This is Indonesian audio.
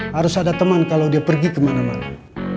harus ada teman kalau dia pergi kemana mana